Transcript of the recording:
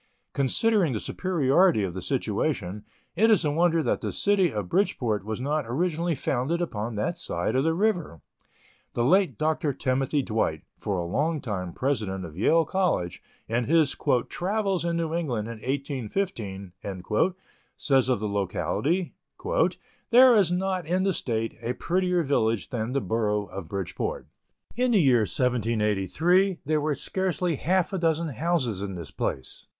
Considering the superiority of the situation, it is a wonder that the City of Bridgeport was not originally founded upon that side of the river. The late Dr. Timothy Dwight, for a long time President of Yale College, in his "Travels in New England in 1815," says of the locality: "There is not in the State a prettier village than the borough of Bridgeport. In the year 1783, there were scarcely half a dozen houses in this place.